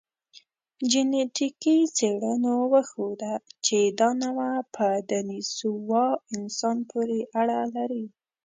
جنټیکي څېړنو وښوده، چې دا نوعه په دنیسووا انسان پورې اړه لري.